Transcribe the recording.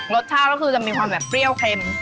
รสชาติก็คือจะมีความแบบเปรี้ยวเค็ม